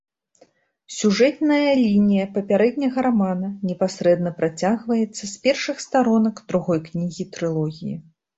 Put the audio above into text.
Сюжэтная лінія папярэдняга рамана непасрэдна працягваецца з першых старонак другой кнігі трылогіі.